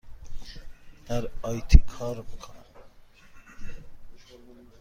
در آی تی کار می کنم.